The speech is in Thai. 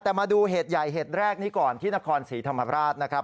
แต่มาดูเหตุใหญ่เหตุแรกนี้ก่อนที่นครศรีธรรมราชนะครับ